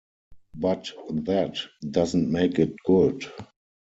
But that doesn't make it good.